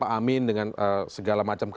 padahal ini sebenarnya pertama kali kami menunjukkan